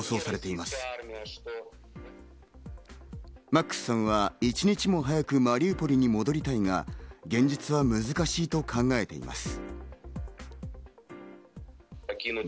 マックスさんは一日も早くマリウポリに戻りたいが、現実は難しいと考えています。